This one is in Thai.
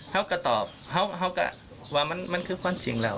เขาก็ตอบเขาก็ว่ามันคือความจริงแล้ว